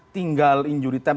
tinggal injuri temp